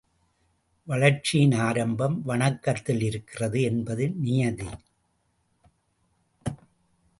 வளர்ச்சியின் ஆரம்பம் வணக்கத்தில் இருக்கிறது என்பது நியதி.